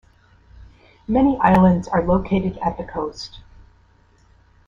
Many islands are located at the coast.